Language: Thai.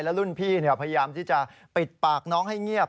รุ่นพี่พยายามที่จะปิดปากน้องให้เงียบ